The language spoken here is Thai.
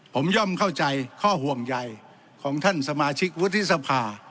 ผมย่อมเข้าใจข้อห่วงใยของท่านสมาชิกวุฒิสภา